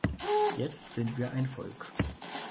Jetzt sind wir ein Volk.